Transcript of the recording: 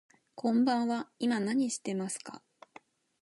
こんばんは、今何してますか。